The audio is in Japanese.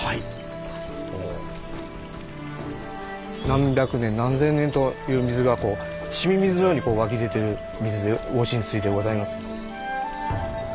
何百年何千年という水がこうしみ水のように湧き出てる水で御神水でございます。